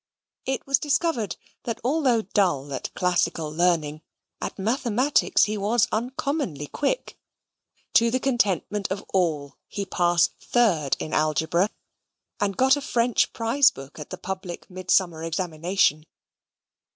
It was discovered, that although dull at classical learning, at mathematics he was uncommonly quick. To the contentment of all he passed third in algebra, and got a French prize book at the public Midsummer examination.